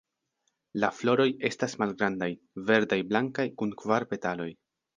La floroj estas malgrandaj, verdaj-blankaj, kun kvar petaloj.